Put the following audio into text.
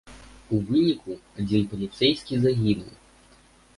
У выніку адзін паліцэйскі загінуў.